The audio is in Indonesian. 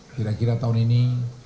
kira kira tahun ini